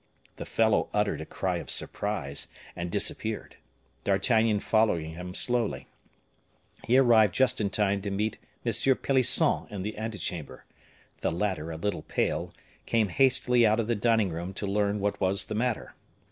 The fellow uttered a cry of surprise, and disappeared; D'Artagnan following him slowly. He arrived just in time to meet M. Pelisson in the ante chamber: the latter, a little pale, came hastily out of the dining room to learn what was the matter.